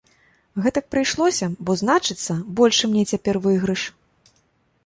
Гэтак прыйшлося, бо, значыцца, большы мне цяпер выйгрыш.